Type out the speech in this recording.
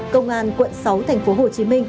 công an quận sáu tp hcm